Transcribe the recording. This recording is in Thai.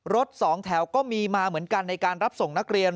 รถสองแถวก็มีมาเหมือนกันในการรับส่งนักเรียน